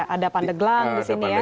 ada pandeglang di sini ya